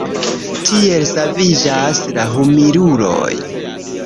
Tiel saviĝas la humiluloj.